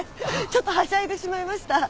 ちょっとはしゃいでしまいました。